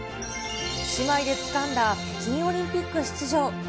姉妹でつかんだ北京オリンピック出場。